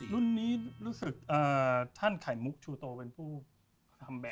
รุ่นนี้รู้สึกท่านไข่มุกชูโตเป็นผู้ทำแบบ